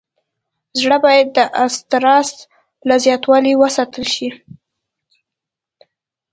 زړه باید د استرس له زیاتوالي وساتل شي.